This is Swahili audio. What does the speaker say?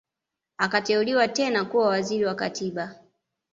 Akateuliwa tena kuwa Waziri wa Katiba